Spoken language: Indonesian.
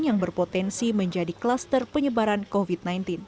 yang berpotensi menjadi kluster penyebaran covid sembilan belas